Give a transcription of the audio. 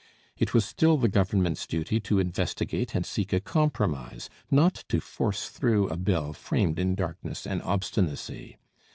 It was still the Government's duty to investigate and seek a compromise, not to force through a bill framed in darkness and obstinacy.